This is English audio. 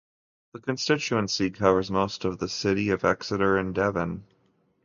The constituency covers most of the city of Exeter in Devon.